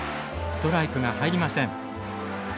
ストライクが入りません。